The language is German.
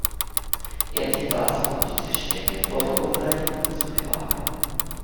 Er dient dazu, die Tischdecke vor Verunreinigungen zu bewahren.